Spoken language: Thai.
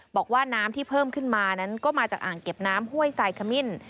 บอกว่าน้ำที่เพิ่มขึ้นมานั้นก็มาจากอ่างเก็บน้ำห้วยสายขมิ้น